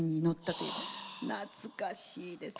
懐かしいです。